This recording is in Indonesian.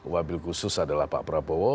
wabil khusus adalah pak prabowo